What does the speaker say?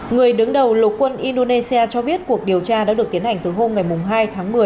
người đứng đầu lục quân indonesia cho biết cuộc điều tra đã được tiến hành từ hôm hai tháng một mươi